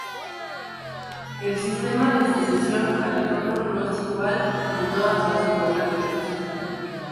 El sistema de sucesión al trono no es igual en todas las monarquías.